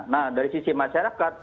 nah dari sisi masyarakat